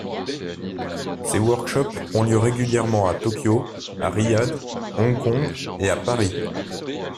Ses workshops ont lieu régulièrement à Tokyo, à Riyad, Hong-Kong et à Paris.